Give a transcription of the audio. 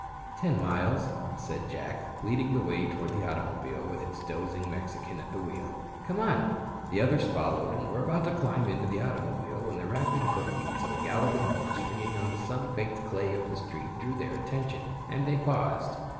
"Ten miles," said Jack, leading the way toward the automobile with its dozing Mexican at the wheel. "Come on." The others followed and were about to climb into the automobile when the rapid hoofbeats of a galloping horse ringing on the sun baked clay of the street drew their attention, and they paused.